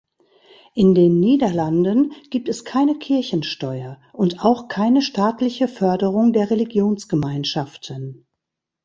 In den Niederlanden gibt es keine Kirchensteuer und auch keine staatliche Förderung der Religionsgemeinschaften.